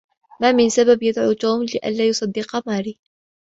ما من سبب يدعو توم لئلا يصدق ماري.